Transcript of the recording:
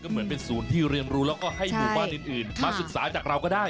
เหมือนเป็นศูนย์ที่เรียนรู้แล้วก็ให้หมู่บ้านอื่นมาศึกษาจากเราก็ได้